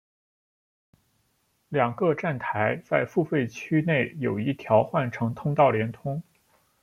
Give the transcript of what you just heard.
两个站台在付费区内有一条换乘通道连通。